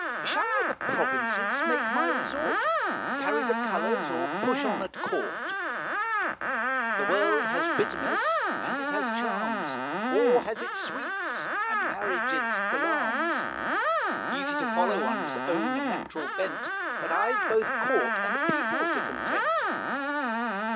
Shall I the provinces make my resort, Carry the colours, or push on at court? The world has bitterness, and it has charms, War has its sweets, and marriage its alarms: Easy to follow one's own natural bent, But I've both court and people to content."